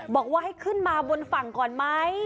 บอกว่าให้ขึ้นมาบนฝั่งก่อนไหม